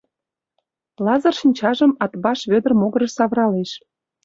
Лазыр шинчажым Атбаш Вӧдыр могырыш савыралеш.